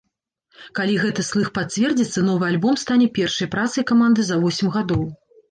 Калі гэты слых пацвердзіцца, новы альбом стане першай працай каманды за восем гадоў.